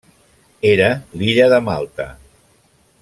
Era l’illa de Malta.